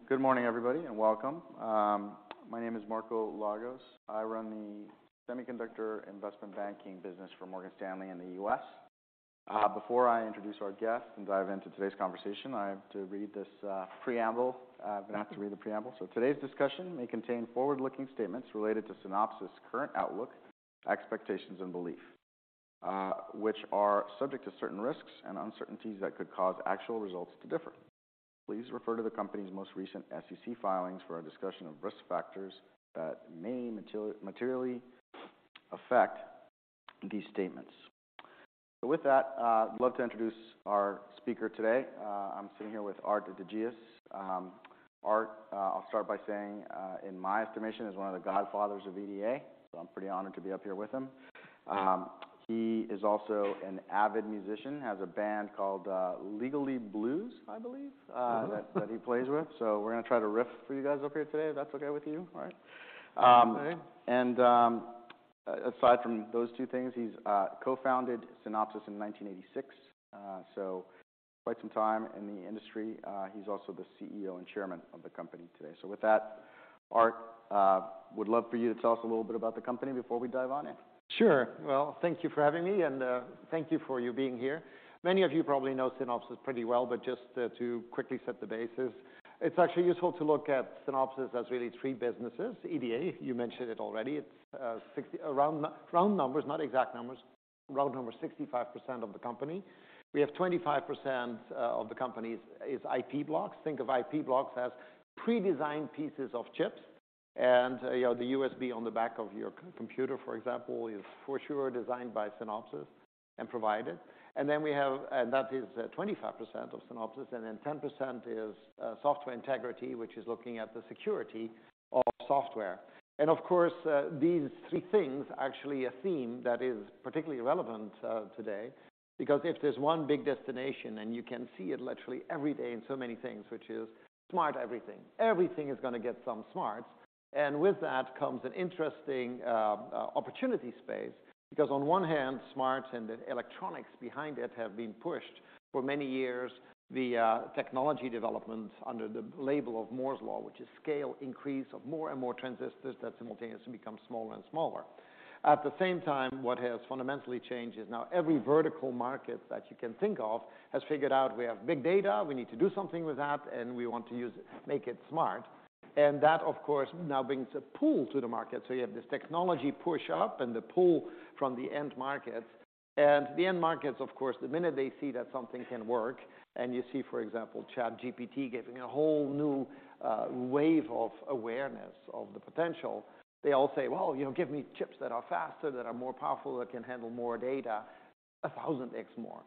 Well, good morning everybody, and welcome. My name is Marco Lagos. I run the semiconductor investment banking business for Morgan Stanley in the U.S. Before I introduce our guest and dive into today's conversation, I have to read this preamble. I'm gonna have to read the preamble. Today's discussion may contain forward-looking statements related to Synopsys' current outlook, expectations, and belief, which are subject to certain risks and uncertainties that could cause actual results to differ. Please refer to the company's most recent SEC filings for a discussion of risk factors that may materially affect these statements. With that, I'd love to introduce our speaker today. I'm sitting here with Aart de Geus. Aart, I'll start by saying, in my estimation, is one of the godfathers of EDA, so I'm pretty honored to be up here with him. He is also an avid musician, has a band called Legally Blue, I believe. Mm-hmm. That he plays with. We're gonna try to riff for you guys up here today, if that's okay with you. All right? Okay. Aside from those two things, he's co-founded Synopsys in 1986. Quite some time in the industry. He's also the CEO and Chairman of the company today. With that, Aart, would love for you to tell us a little bit about the company before we dive on in. Sure. Well, thank you for having me, and thank you for you being here. Many of you probably know Synopsys pretty well, but just to quickly set the basis, it's actually useful to look at Synopsys as really three businesses. EDA, you mentioned it already. It's round numbers, not exact numbers. 65% of the company. We have 25% of the company is IP blocks. Think of IP blocks as pre-designed pieces of chips and, you know, the USB on the back of your computer, for example, is for sure designed by Synopsys and provided. That is 25% of Synopsys, and then 10% is Software Integrity, which is looking at the security of software. Of course, these three things, actually a theme that is particularly relevant, today, because if there's one big destination, and you can see it literally every day in so many things, which is Smart Everything. Everything is gonna get some smarts. With that comes an interesting, opportunity space, because on one hand, smarts and the electronics behind it have been pushed for many years, the, technology development under the label of Moore's Law, which is scale increase of more and more transistors that simultaneously become smaller and smaller. At the same time, what has fundamentally changed is now every vertical market that you can think of has figured out we have big data, we need to do something with that, and we want to use it, make it smart. That, of course, now brings a pull to the market. You have this technology push up and the pull from the end markets. The end markets, of course, the minute they see that something can work, you see, for example, ChatGPT giving a whole new wave of awareness of the potential, they all say, "Well, you know, give me chips that are faster, that are more powerful, that can handle more data, 1,000x more."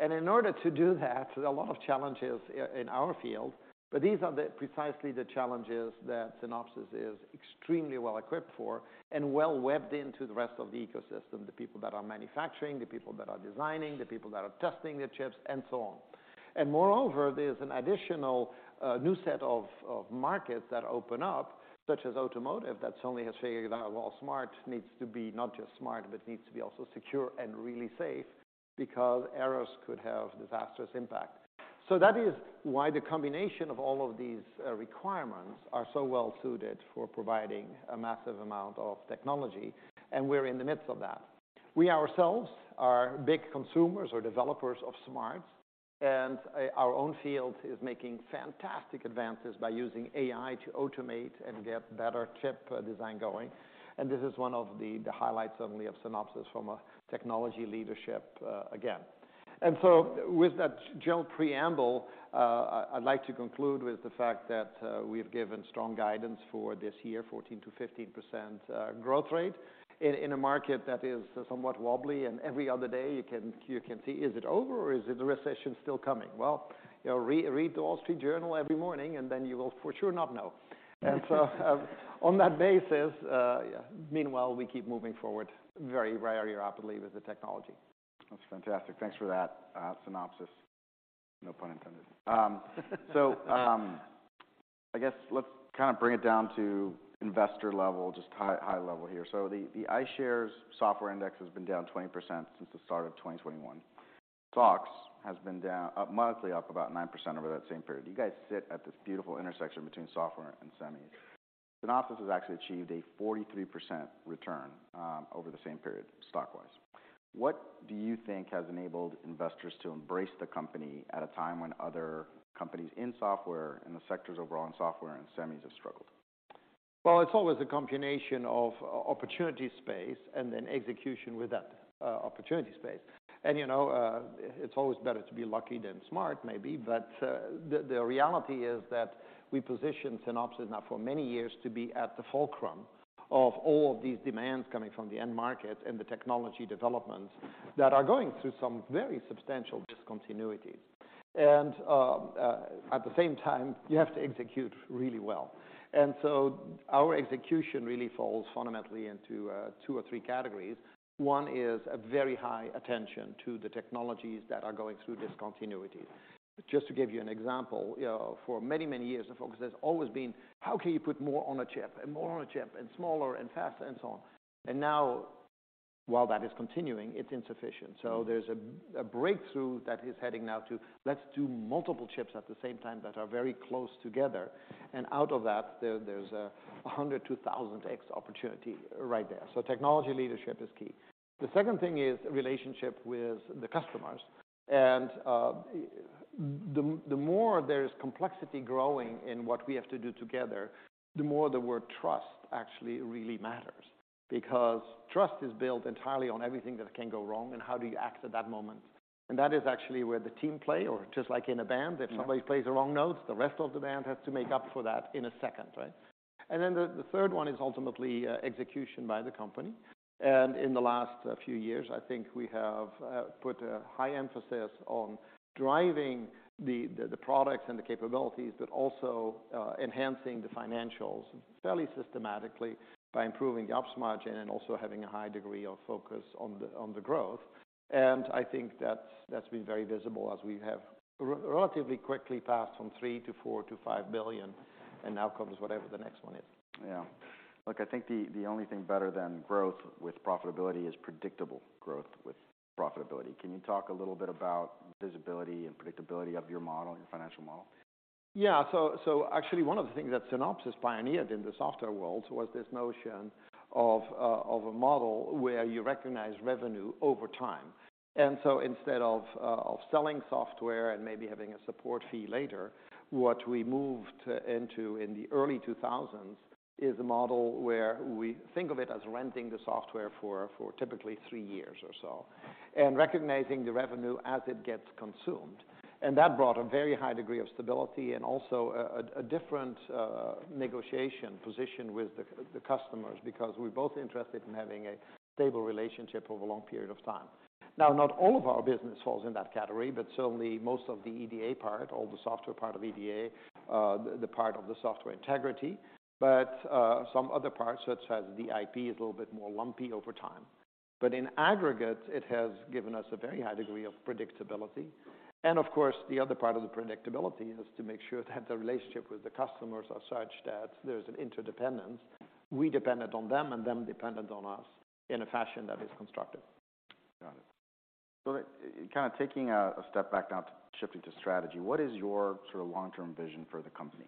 In order to do that, there's a lot of challenges in our field, but these are the precisely the challenges that Synopsys is extremely well-equipped for and well-webbed into the rest of the ecosystem, the people that are manufacturing, the people that are designing, the people that are testing the chips, and so on. Moreover, there's an additional new set of markets that open up, such as automotive, that suddenly has figured out, well, smart needs to be not just smart, but needs to be also secure and really safe because errors could have disastrous impact. That is why the combination of all of these requirements are so well suited for providing a massive amount of technology, and we're in the midst of that. We ourselves are big consumers or developers of smarts, and our own field is making fantastic advances by using AI to automate and get better chip design going. This is one of the highlights, certainly, of Synopsys from a technology leadership again. With that general preamble, I'd like to conclude with the fact that we have given strong guidance for this year, 14%-15% growth rate in a market that is somewhat wobbly, and every other day you can see is it over or is it the recession still coming? Well, you know, read The Wall Street Journal every morning, then you will for sure not know. On that basis, meanwhile, we keep moving forward very, very rapidly with the technology. That's fantastic. Thanks for that, Synopsys. No pun intended. I guess let's kind of bring it down to investor level, just high level here. The iShares software index has been down 20% since the start of 2021. SOX has been up monthly, up about 9% over that same period. You guys sit at this beautiful intersection between software and semis. Synopsys has actually achieved a 43% return over the same period, stock-wise. What do you think has enabled investors to embrace the company at a time when other companies in software and the sectors overall in software and semis have struggled? Well, it's always a combination of opportunity space and then execution with that opportunity space. you know, it's always better to be lucky than smart, maybe. The reality is that we positioned Synopsys now for many years to be at the fulcrum of all of these demands coming from the end market and the technology developments that are going through some very substantial discontinuities. At the same time, you have to execute really well. Our execution really falls fundamentally into two or three categories. One is a very high attention to the technologies that are going through discontinuities. Just to give you an example, you know, for many, many years, the focus has always been how can you put more on a chip and more on a chip and smaller and faster and so on. While that is continuing, it's insufficient. There's a breakthrough that is heading now to let's do multiple chips at the same time that are very close together, and out of that, there's a 100 to 1,000x opportunity right there. Technology leadership is key. The second thing is relationship with the customers. The more there's complexity growing in what we have to do together, the more the word trust actually really matters because trust is built entirely on everything that can go wrong and how do you act at that moment. That is actually where the team play, or just like in a band... Yeah. -if somebody plays the wrong notes, the rest of the band has to make up for that in a second, right? Then the third one is ultimately execution by the company. In the last few years, I think we have put a high emphasis on driving the products and the capabilities, but also enhancing the financials fairly systematically by improving the ops margin and also having a high degree of focus on the growth. I think that's been very visible as we have relatively quickly passed from $3 billion to $4 billion to $5 billion, and now comes whatever the next one is. Yeah. Look, I think the only thing better than growth with profitability is predictable growth with profitability. Can you talk a little bit about visibility and predictability of your model, your financial model? Actually, one of the things that Synopsys pioneered in the software world was this notion of a model where you recognize revenue over time. Instead of selling software and maybe having a support fee later, what we moved into in the early 2000s is a model where we think of it as renting the software for typically three years or so, and recognizing the revenue as it gets consumed. That brought a very high degree of stability and also a different negotiation position with the customers because we're both interested in having a stable relationship over a long period of time. Not all of our business falls in that category, but certainly most of the EDA part, all the software part of EDA, the part of the Software Integrity. Some other parts, such as the IP is a little bit more lumpy over time. In aggregate, it has given us a very high degree of predictability. Of course, the other part of the predictability is to make sure that the relationship with the customers are such that there's an interdependence. We dependent on them and them dependent on us in a fashion that is constructive. Got it. Kind of taking a step back now to shifting to strategy, what is your sort of long-term vision for the company?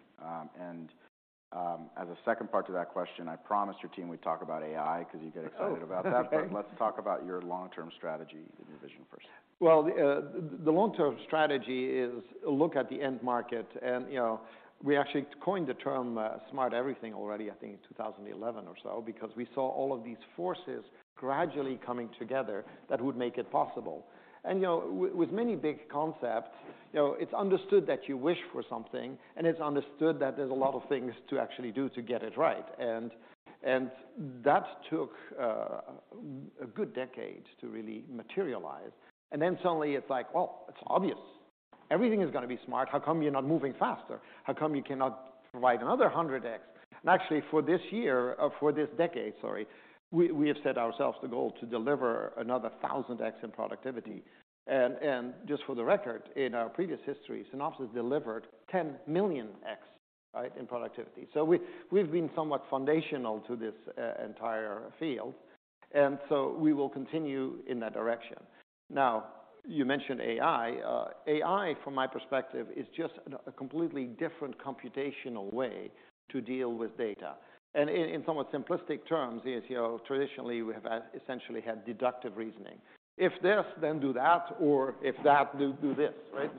As a second part to that question, I promised your team we'd talk about AI because you get. Oh, okay. About that. Let's talk about your long-term strategy and your vision first. Well, the long-term strategy is look at the end market and, you know, we actually coined the term, Smart Everything already, I think in 2011 or so, because we saw all of these forces gradually coming together that would make it possible. And, you know, with many big concepts, you know, it's understood that you wish for something, and it's understood that there's a lot of things to actually do to get it right, and that took a good decade to really materialize. And then suddenly it's like, well, it's obvious. Everything is gonna be smart. How come you're not moving faster? How come you cannot provide another 100x? And actually, for this year, for this decade, sorry, we have set ourselves the goal to deliver another 1,000x in productivity. Just for the record, in our previous history, Synopsys delivered 10 millionx, right, in productivity. We've been somewhat foundational to this entire field, and so we will continue in that direction. You mentioned AI. AI from my perspective is just a completely different computational way to deal with data. In, in somewhat simplistic terms is, you know, traditionally we have essentially had deductive reasoning. If this, then do that, or if that, do this, right.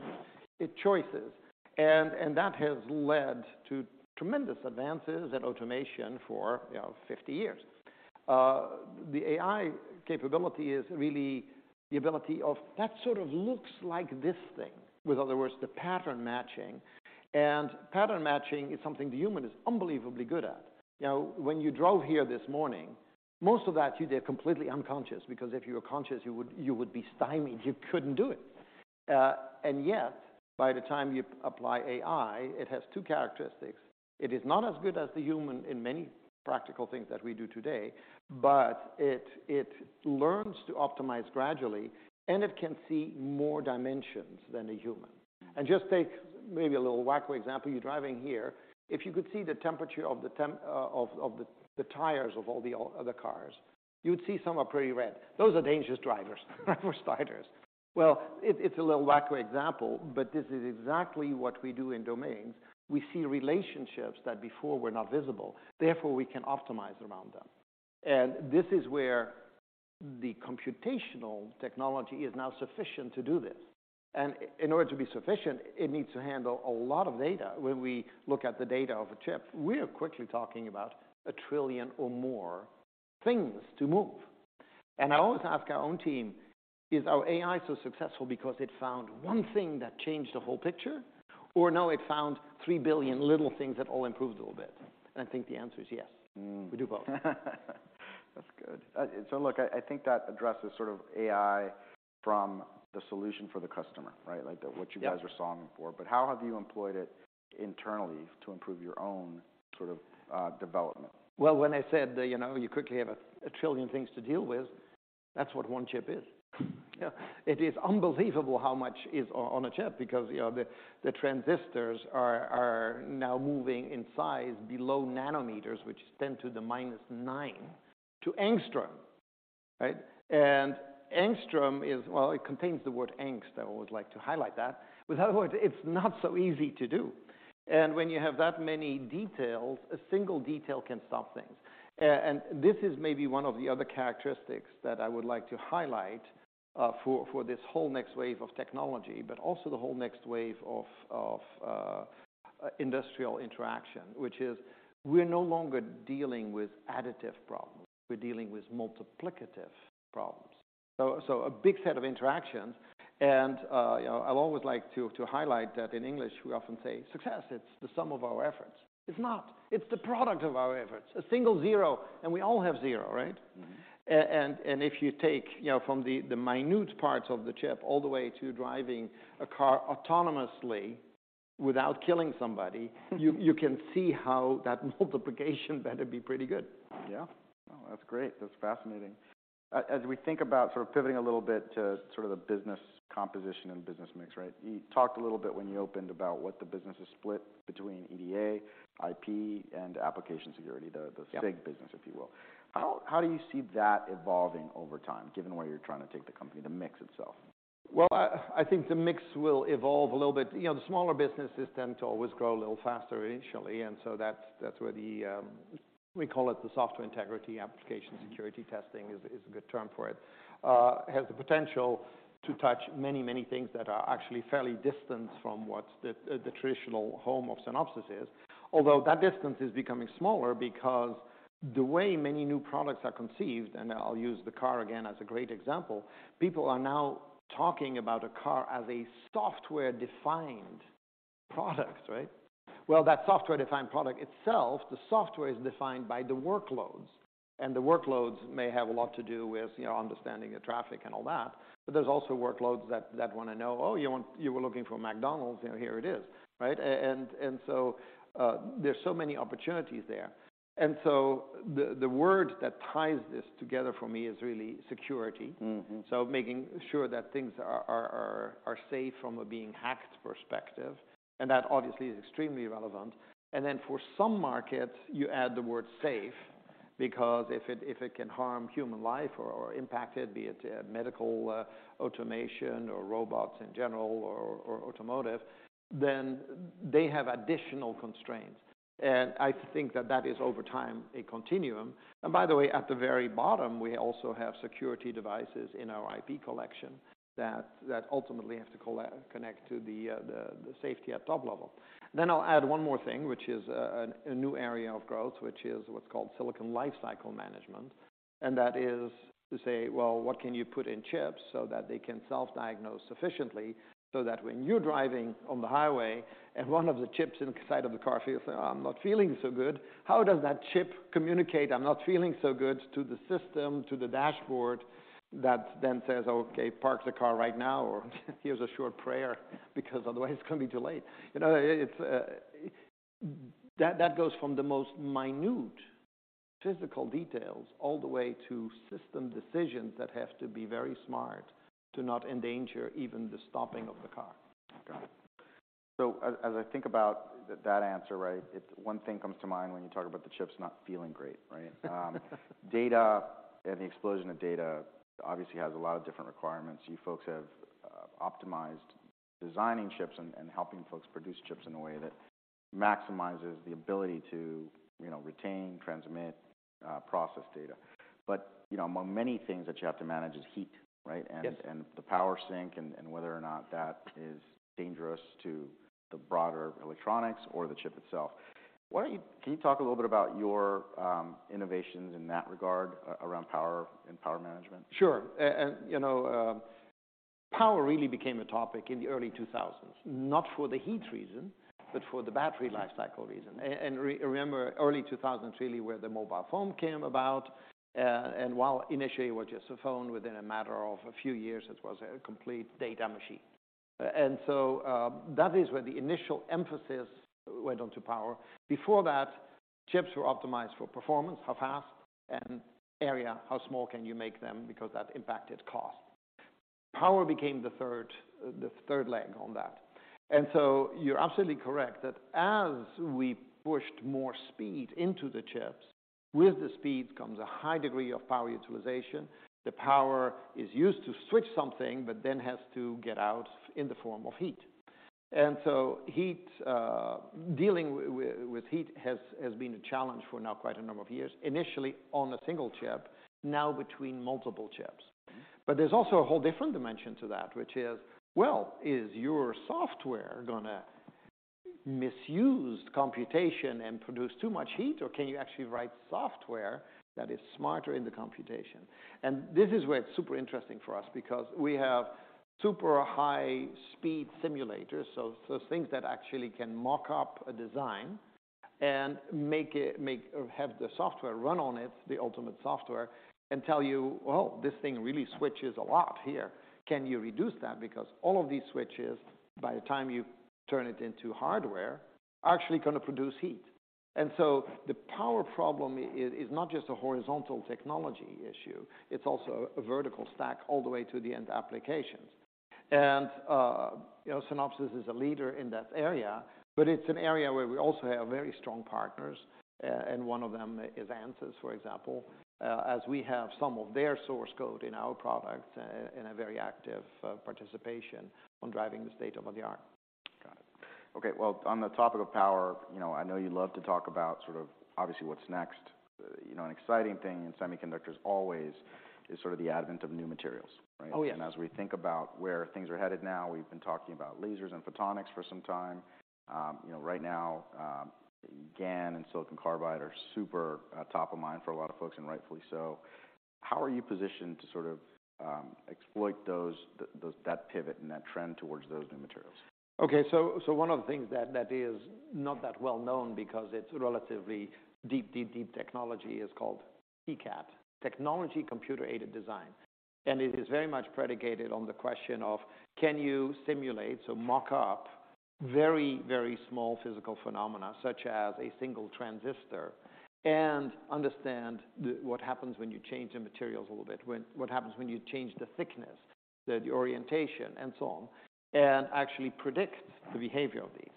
It choices. That has led to tremendous advances in automation for, you know, 50 years. The AI capability is really the ability of that sort of looks like this thing, with other words, the pattern matching. Pattern matching is something the human is unbelievably good at. You know, when you drove here this morning, most of that you did completely unconscious, because if you were conscious, you would be stymied, you couldn't do it. Yet, by the time you apply AI, it has two characteristics. It is not as good as the human in many practical things that we do today, but it learns to optimize gradually, and it can see more dimensions than a human. Just take maybe a little wacky example, you're driving here. If you could see the temperature of the tires of all the other cars, you'd see some are pretty red. Those are dangerous drivers, for starters. Well, it's a little wacky example, but this is exactly what we do in domains. We see relationships that before were not visible, therefore we can optimize around them. This is where the computational technology is now sufficient to do this. In order to be sufficient, it needs to handle a lot of data. When we look at the data of a chip, we are quickly talking about 1 trillion or more things to move. I always ask our own team, is our AI so successful because it found one thing that changed the whole picture, or no, it found 3 billion little things that all improved a little bit? I think the answer is yes. Mm. We do both. That's good. Look, I think that addresses sort of AI from the solution for the customer, right? Like the. Yeah. -are solving for. How have you employed it internally to improve your own sort of, development? Well, when I said, you know, you quickly have 1 trillion things to deal with, that's what one chip is. Yeah. It is unbelievable how much is on a chip because, you know, the transistors are now moving in size below nanometers, which is 10 to the minus 9, to angstrom. Right? Angstrom is, well, it contains the word angst. I always like to highlight that. With other words, it's not so easy to do. When you have that many details, a single detail can stop things. This is maybe one of the other characteristics that I would like to highlight for this whole next wave of technology, but also the whole next wave of industrial interaction. We're no longer dealing with additive problems, we're dealing with multiplicative problems. So a big set of interactions. You know, I'll always like to highlight that in English we often say success, it's the sum of our efforts. It's not. It's the product of our efforts. A single zero, and we all have zero, right? Mm-hmm. If you take, you know, from the minute parts of the chip all the way to driving a car autonomously without killing somebody, you can see how that multiplication better be pretty good. Yeah. No, that's great. That's fascinating. As we think about sort of pivoting a little bit to sort of the business composition and business mix, right? You talked a little bit when you opened about what the business is split between EDA, IP, and application security. Yeah... the SIG business, if you will. How do you see that evolving over time, given where you're trying to take the company to mix itself? I think the mix will evolve a little bit. You know, the smaller businesses tend to always grow a little faster initially, that's where the we call it the Software Integrity. Mm-hmm... security testing is a good term for it. Has the potential to touch many, many things that are actually fairly distant from what the traditional home of Synopsys is. Although that distance is becoming smaller because the way many new products are conceived, and I'll use the car again as a great example, people are now talking about a car as a software-defined product, right? Well, that software-defined product itself, the software is defined by the workloads, and the workloads may have a lot to do with, you know, understanding the traffic and all that. There's also workloads that wanna know, "Oh, you were looking for McDonald's, you know, here it is." Right? There's so many opportunities there. The word that ties this together for me is really security. Mm-hmm. Making sure that things are safe from a being hacked perspective, and that obviously is extremely relevant. Then for some markets, you add the word safe because if it, if it can harm human life or impact it, be it medical automation or robots in general or automotive, then they have additional constraints. I think that that is over time a continuum. By the way, at the very bottom, we also have security devices in our IP collection that ultimately have to connect to the safety at top level. I'll add one more thing, which is a new area of growth, which is what's called Silicon Lifecycle Management. That is to say, well, what can you put in chips so that they can self-diagnose sufficiently, so that when you're driving on the highway and one of the chips inside of the car feels, "I'm not feeling so good," how does that chip communicate, "I'm not feeling so good," to the system, to the dashboard that then says, "Okay, park the car right now," or, "Here's a short prayer," because otherwise it's gonna be too late. You know, it's that goes from the most minute physical details all the way to system decisions that have to be very smart to not endanger even the stopping of the car. Got it. As I think about that answer, right? One thing comes to mind when you talk about the chips not feeling great, right? Data and the explosion of data obviously has a lot of different requirements. You folks have optimized designing chips and helping folks produce chips in a way that maximizes the ability to, you know, retain, transmit, process data. You know, among many things that you have to manage is heat, right? Yes. The power sink and whether or not that is dangerous to the broader electronics or the chip itself. Can you talk a little bit about your innovations in that regard around power and power management? Sure. You know, power really became a topic in the early 2000s. Not for the heat reason, but for the battery life cycle reason. Remember, early 2000s really where the mobile phone came about, and while initially it was just a phone, within a matter of a few years, it was a complete data machine. That is where the initial emphasis went on to power. Before that, chips were optimized for performance, how fast, and area, how small can you make them, because that impacted cost. Power became the third leg on that. You're absolutely correct that as we pushed more speed into the chips, with the speed comes a high degree of power utilization. The power is used to switch something, but then has to get out in the form of heat. Heat, dealing with heat has been a challenge for now quite a number of years, initially on a single chip, now between multiple chips. There's also a whole different dimension to that, which is, well, is your software gonna misuse computation and produce too much heat, or can you actually write software that is smarter in the computation? This is where it's super interesting for us because we have super high-speed simulators, so things that actually can mock up a design and make or have the software run on it, the ultimate software, and tell you, "Well, this thing really switches a lot here. Can you reduce that?" Because all of these switches, by the time you turn it into hardware, are actually gonna produce heat. The power problem is not just a horizontal technology issue, it's also a vertical stack all the way to the end applications. You know, Synopsys is a leader in that area, but it's an area where we also have very strong partners, and one of them is Ansys, for example, as we have some of their source code in our product and a very active participation on driving the state-of-the-art. Got it. Okay, well, on the topic of power, you know, I know you love to talk about sort of obviously what's next. You know, an exciting thing in semiconductors always is sort of the advent of new materials, right? Oh, yes. As we think about where things are headed now, we've been talking about lasers and photonics for some time. You know, right now, GaN and silicon carbide are super top of mind for a lot of folks, and rightfully so. How are you positioned to sort of exploit that pivot and that trend towards those new materials? Okay. One of the things that is not that well-known because it's relatively deep technology is called TCAD, Technology Computer-Aided Design. It is very much predicated on the question of can you simulate, so mock up very small physical phenomena such as a single transistor, and understand what happens when you change the materials a little bit, what happens when you change the thickness, the orientation, and so on, and actually predict the behavior of these.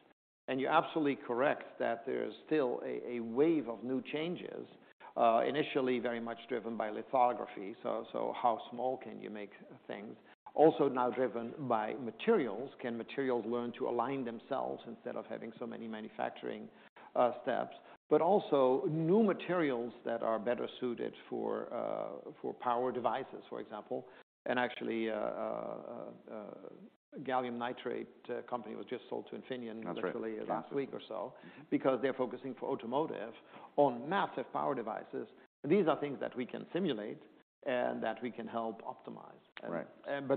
You're absolutely correct that there is still a wave of new changes, initially very much driven by lithography, so how small can you make things? Also now driven by materials. Can materials learn to align themselves instead of having so many manufacturing steps? Also new materials that are better suited for power devices, for example, actually, gallium nitride company was just sold to Infineon. That's right. Yeah. literally last week or so because they're focusing for automotive on massive power devices. These are things that we can simulate and that we can help optimize. Right.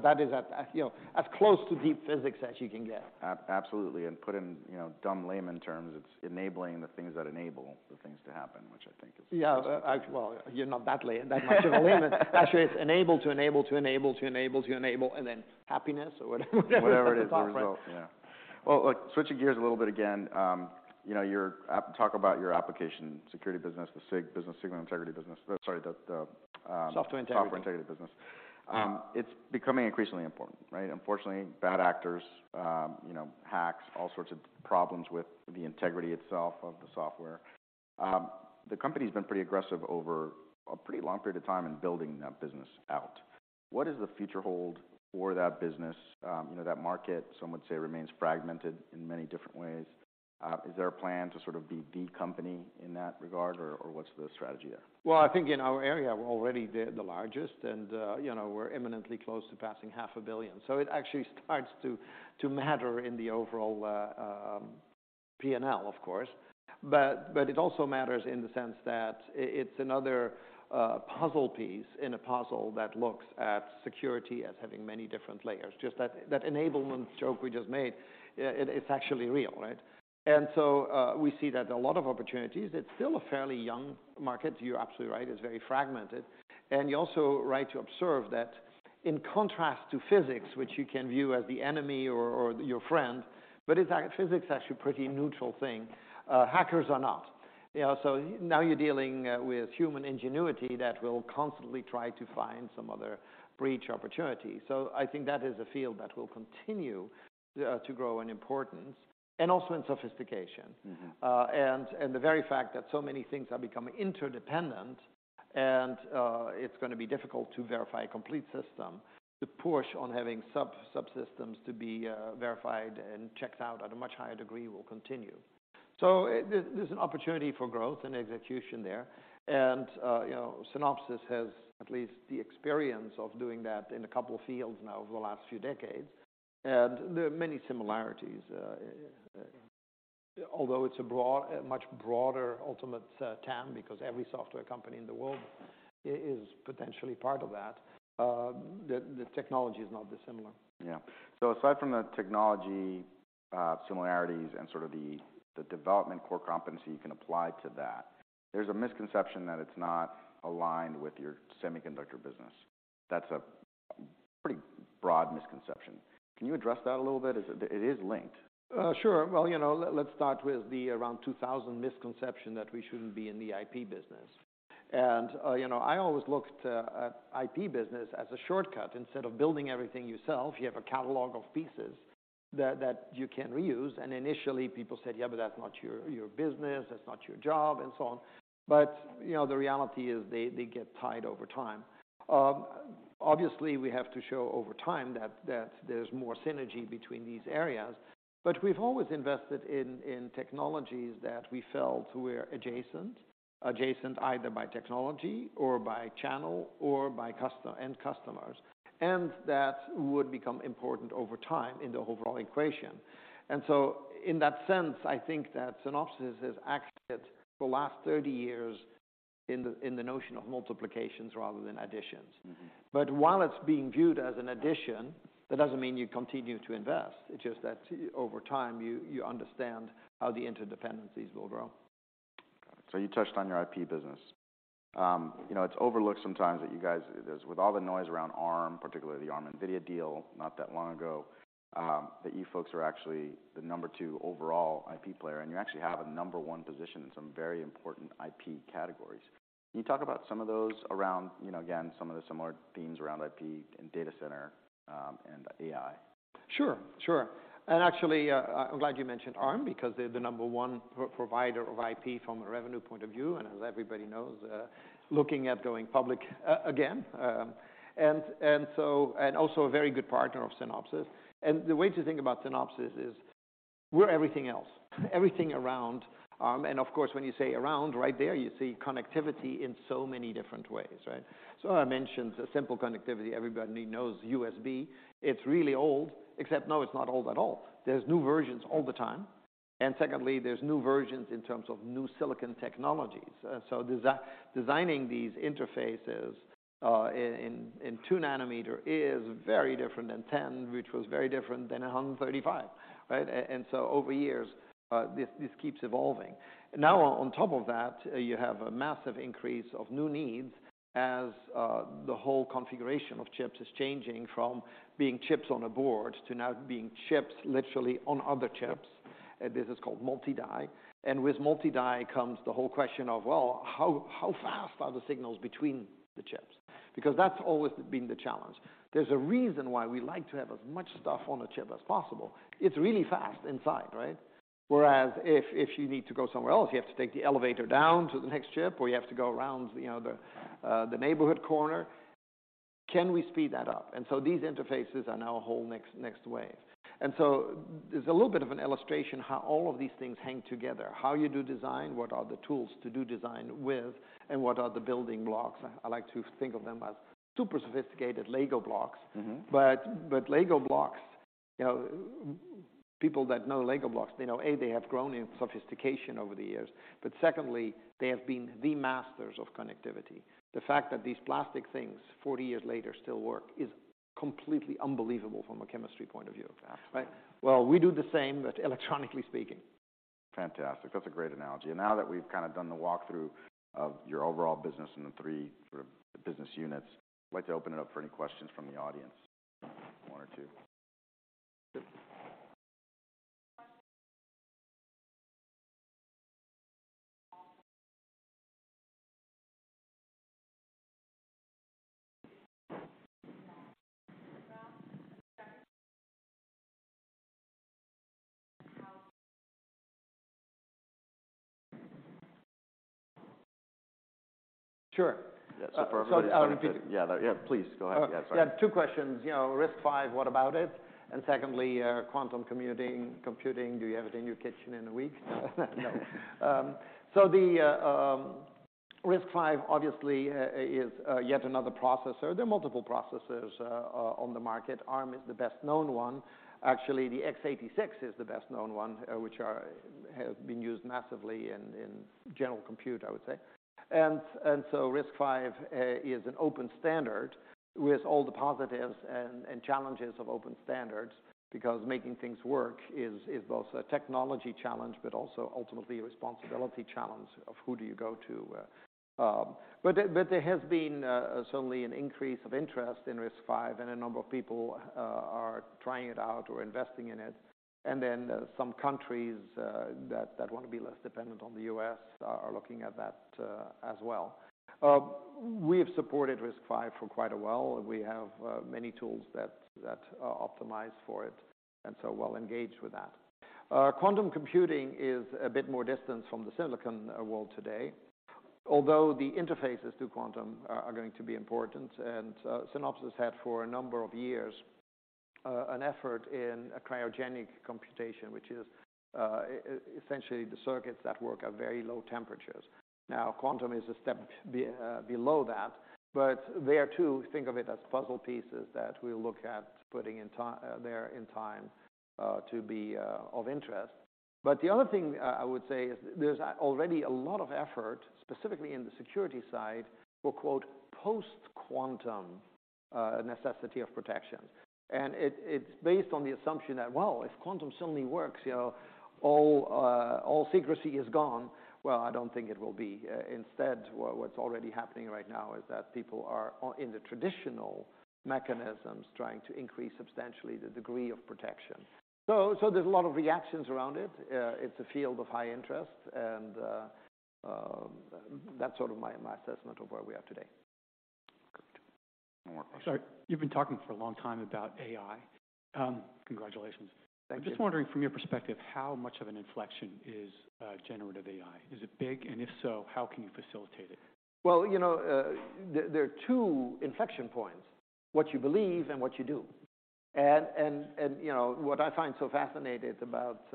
That is at, you know, as close to deep physics as you can get. Absolutely. Put in, you know, dumb layman terms, it's enabling the things that enable the things to happen, which I think is. Yeah. Well, you're not that much of a layman. Actually, it's enable to enable to enable to enable to enable and then happiness or whatever. Whatever it is, the result. Right. Yeah. Well, look, switching gears a little bit again, you know, talk about your application security business, the SIG business. Sorry. Software Integrity ...Software Integrity business. It's becoming increasingly important, right? Unfortunately, bad actors, you know, hacks, all sorts of problems with the integrity itself of the software. The company's been pretty aggressive over a pretty long period of time in building that business out. What does the future hold for that business? You know, that market, some would say, remains fragmented in many different ways. Is there a plan to sort of be the company in that regard, or what's the strategy there? Well, I think in our area, we're already the largest and, you know, we're imminently close to passing half a billion. It actually starts to matter in the overall P&L, of course. It also matters in the sense that it's another puzzle piece in a puzzle that looks at security as having many different layers. Just that enablement joke we just made, it's actually real, right? We see that a lot of opportunities. It's still a fairly young market. You're absolutely right. It's very fragmented. You're also right to observe that in contrast to physics, which you can view as the enemy or your friend, but in fact, physics is actually a pretty neutral thing. Hackers are not. You know, now you're dealing with human ingenuity that will constantly try to find some other breach opportunity. I think that is a field that will continue to grow in importance and also in sophistication. Mm-hmm. The very fact that so many things are becoming interdependent and it's gonna be difficult to verify a complete system, the push on having sub-subsystems to be verified and checked out at a much higher degree will continue. There's an opportunity for growth and execution there. You know, Synopsys has at least the experience of doing that in a couple of fields now over the last few decades. There are many similarities, although it's a much broader ultimate TAM because every software company in the world is potentially part of that, the technology is not dissimilar. Yeah. Aside from the technology similarities and sort of the development core competency you can apply to that, there's a misconception that it's not aligned with your semiconductor business. That's a pretty broad misconception. Can you address that a little bit? It is linked. Sure. Well, you know, let's start with the around 2000 misconception that we shouldn't be in the IP business. You know, I always looked at IP business as a shortcut. Instead of building everything yourself, you have a catalog of pieces that you can reuse. Initially, people said, "Yeah, but that's not your business, that's not your job," and so on. You know, the reality is they get tied over time. Obviously, we have to show over time that there's more synergy between these areas. We've always invested in technologies that we felt were adjacent either by technology or by channel or by end customers, and that would become important over time in the overall equation. In that sense, I think that Synopsys has acted for the last 30 years in the, in the notion of multiplications rather than additions. Mm-hmm. While it's being viewed as an addition, that doesn't mean you continue to invest. It's just that over time, you understand how the interdependencies will grow. You touched on your IP business. You know, it's overlooked sometimes that you with all the noise around Arm, particularly the Arm-Nvidia deal not that long ago. That you folks are actually the number two overall IP player, and you actually have a number one position in some very important IP categories. Can you talk about some of those around, you know, again, some of the similar themes around IP and data center, and AI? Sure, sure. Actually, I'm glad you mentioned Arm because they're the number one provider of IP from a revenue point of view, as everybody knows, looking at going public again. Also a very good partner of Synopsys. The way to think about Synopsys is we're everything else, everything around Arm. Of course, when you say around, right there you see connectivity in so many different ways, right? I mentioned simple connectivity. Everybody knows USB. It's really old, except no, it's not old at all. There's new versions all the time. Secondly, there's new versions in terms of new silicon technologies. Designing these interfaces in 2 nm is very different than 10, which was very different than 135, right? Over years, this keeps evolving. Now on top of that, you have a massive increase of new needs as the whole configuration of chips is changing from being chips on a board to now being chips literally on other chips. This is called multi-die. With multi-die comes the whole question of, well, how fast are the signals between the chips? Because that's always been the challenge. There's a reason why we like to have as much stuff on a chip as possible. It's really fast inside, right? Whereas if you need to go somewhere else, you have to take the elevator down to the next chip, or you have to go around, you know, the neighborhood corner. Can we speed that up? These interfaces are now a whole next wave. There's a little bit of an illustration how all of these things hang together, how you do design, what are the tools to do design with, and what are the building blocks. I like to think of them as super sophisticated LEGO blocks. Mm-hmm. LEGO blocks, you know, people that know LEGO blocks, they know, A, they have grown in sophistication over the years. Secondly, they have been the masters of connectivity. The fact that these plastic things 40 years later still work is completely unbelievable from a chemistry point of view. Absolutely. Right? Well, we do the same, but electronically speaking. Fantastic. That's a great analogy. Now that we've kind of done the walkthrough of your overall business and the three sort of business units, I'd like to open it up for any questions from the audience. One or two. Sure. Yeah. For everybody. I'll repeat. Yeah. Yeah, please go ahead. Yeah, sorry. Yeah. Two questions. You know, RISC-V, what about it? Secondly, quantum computing, do you have it in your kitchen in a week? No. So the RISC-V obviously is yet another processor. There are multiple processors on the market. Arm is the best-known one. Actually, the x86 is the best-known one, which has been used massively in general compute, I would say. RISC-V is an open standard with all the positives and challenges of open standards because making things work is both a technology challenge, but also ultimately a responsibility challenge of who do you go to. There has been certainly an increase of interest in RISC-V, and a number of people are trying it out or investing in it. Some countries that want to be less dependent on the U.S. are looking at that as well. We have supported RISC-V for quite a while. We have many tools that are optimized for it, and so we're engaged with that. Quantum computing is a bit more distant from the silicon world today. The interfaces to quantum are going to be important. Synopsys had for a number of years an effort in a cryogenic computation, which is essentially the circuits that work at very low temperatures. Now, quantum is a step below that, but there too, think of it as puzzle pieces that we look at putting in there in time to be of interest. The other thing I would say is there's already a lot of effort, specifically in the security side, for quote, "post-quantum," necessity of protections. It's based on the assumption that, well, if quantum suddenly works, you know, all secrecy is gone. Well, I don't think it will be. Instead, what's already happening right now is that people are in the traditional mechanisms trying to increase substantially the degree of protection. There's a lot of reactions around it. It's a field of high interest, and that's sort of my assessment of where we are today. Good. One more question. Sorry. You've been talking for a long time about AI. Congratulations. Thank you. I'm just wondering from your perspective, how much of an inflection is generative AI? Is it big? If so, how can you facilitate it? Well, you know, there are two inflection points, what you believe and what you do. You know, what I find so fascinating about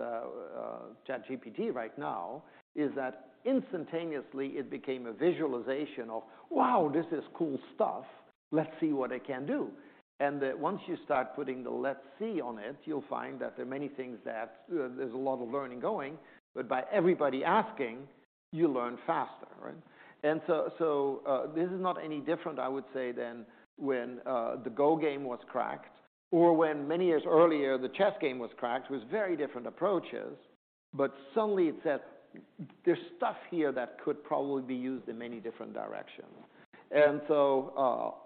ChatGPT right now is that instantaneously it became a visualization of, wow, this is cool stuff. Let's see what it can do. Once you start putting the let's see on it, you'll find that there are many things that there's a lot of learning going. By everybody asking, you learn faster, right? This is not any different, I would say, than when the Go game was cracked or when many years earlier, the chess game was cracked with very different approaches. Suddenly it's that there's stuff here that could probably be used in many different directions.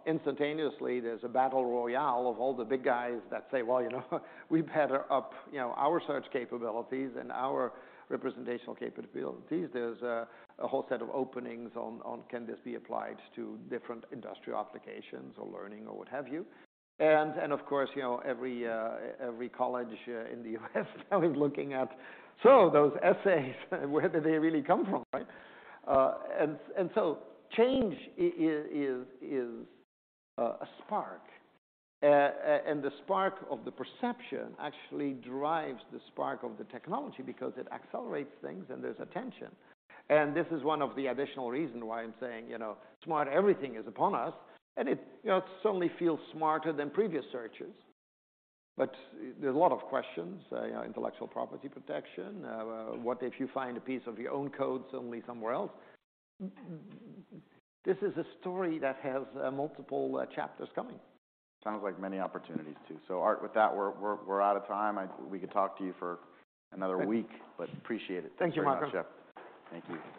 Instantaneously, there's a battle royale of all the big guys that say, "Well, you know, we better up, you know, our search capabilities and our representational capabilities." There's a whole set of openings on can this be applied to different industrial applications or learning or what have you. Of course, you know, every college in the U.S. now is looking at, so those essays, where did they really come from, right? So change is a spark. The spark of the perception actually drives the spark of the technology because it accelerates things, and there's attention. This is one of the additional reason why I'm saying, you know, Smart Everything is upon us, and it, you know, it certainly feels smarter than previous searches. There's a lot of questions, you know, intellectual property protection. What if you find a piece of your own code suddenly somewhere else? This is a story that has multiple chapters coming. Sounds like many opportunities too. Aart, with that, we're out of time. We could talk to you for another week, but appreciate it. Thank you, Marco. Thanks very much. Yeah. Thank you.